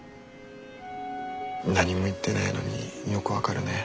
何も言ってないのによく分かるね。